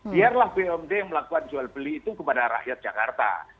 biarlah bumd yang melakukan jual beli itu kepada rakyat jakarta